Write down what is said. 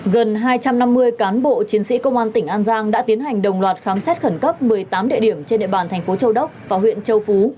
gần hai trăm năm mươi cán bộ chiến sĩ công an tỉnh an giang đã tiến hành đồng loạt khám xét khẩn cấp một mươi tám địa điểm trên địa bàn thành phố châu đốc và huyện châu phú